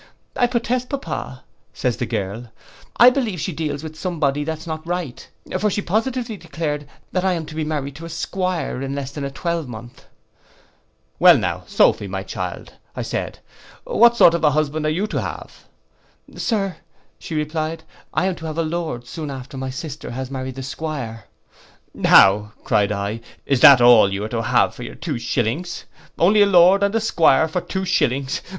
'—'I protest, pappa,' says the girl, 'I believe she deals with some body that's not right; for she positively declared, that I am to be married to a 'Squire in less than a twelvemonth!'—'Well now, Sophy, my child,' said I, 'and what sort of a husband are you to have?' 'Sir,' replied she, 'I am to have a Lord soon after my sister has married the 'Squire.'—'How,' cried I, 'is that all you are to have for your two shillings! Only a Lord and a 'Squire for two shillings!